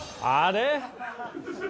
あれ？